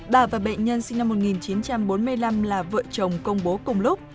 bà và bệnh nhân sinh năm một nghìn chín trăm bốn mươi năm là vợ chồng công bố cùng lúc